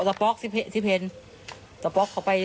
สายพันธุ์ใหม่